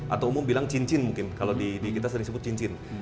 atau umum bilang cincin mungkin kalau di kita sering sebut cincin